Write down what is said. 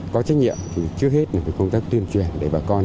có trách nhiệm thì trước hết là công tác tuyên truyền để bà con